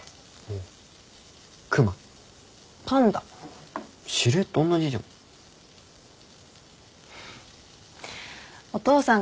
うん。